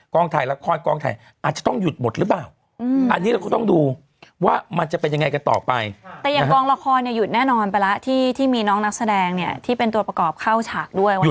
กล้องไทยละครกล้องไทยอาจจะต้องหยุดหมดหรือเปล่า